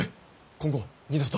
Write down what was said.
今後二度と。